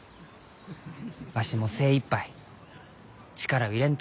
わしも精いっぱい力を入れんと。